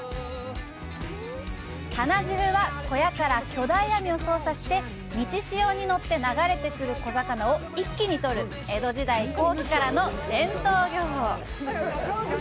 棚ジブは、小屋から巨大網を操作して満ち潮に乗って流れてくる小魚を一気に取る江戸時代後期からの伝統漁法。